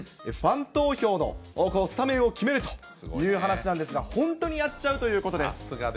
ファン投票のスタメンを決めるという話なんですが、本当にやっちさすがです。